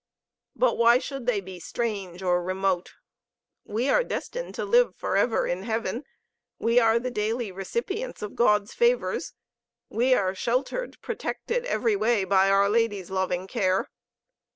But why should they be strange or remote? We are destined to live forever in heaven, we are the daily recipients of God's favors, we are sheltered, protected, every way by our Lady's loving care.